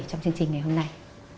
trong chương trình ngày hôm nay